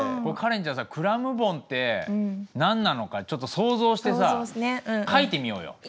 カレンちゃんさクラムボンって何なのかちょっと想像してさ描いてみようよ。